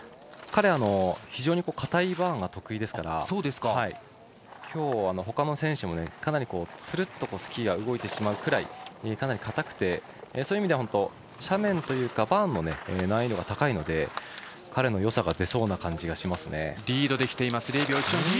彼は非常にかたいバーンが得意ですから今日、ほかの選手も、つるっとスキーが動いてしまうぐらいかなりかたくてそういう意味では斜面というかバーンの難易度が高いので彼のよさが出そうな感じですね。